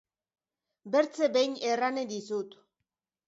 Bertze behin erranen dizut.